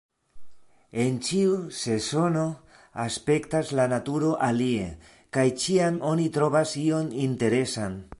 En ĉiu sezono aspektas la naturo alie... kaj ĉiam oni trovas ion interesan.